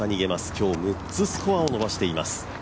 今日６つスコアを伸ばしています。